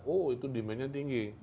oh itu demandnya tinggi